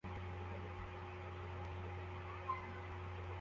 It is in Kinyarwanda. Umugabo n'umuhungu bahagaze hepfo yintambwe zo hanze